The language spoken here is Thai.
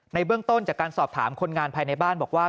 เบื้องต้นจากการสอบถามคนงานภายในบ้านบอกว่า